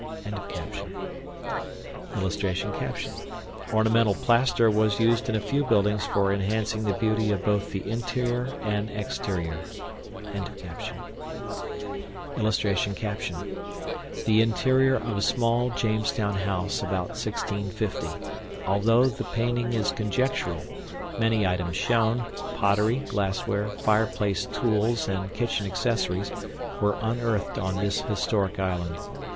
] [Illustration: ORNAMENTAL PLASTER WAS USED IN A FEW BUILDINGS FOR ENHANCING THE BEAUTY OF BOTH THE INTERIOR AND EXTERIOR.] [Illustration: THE INTERIOR OF A SMALL JAMESTOWN HOUSE, ABOUT 1650. ALTHOUGH THE PAINTING IS CONJECTURAL, MANY ITEMS SHOWN POTTERY, GLASSWARE, FIREPLACE TOOLS, AND KITCHEN ACCESSORIES WERE UNEARTHED ON THIS HISTORIC ISLAND.